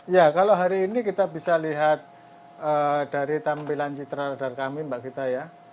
ya kalau hari ini kita bisa lihat dari tampilan citra radar kami mbak gita ya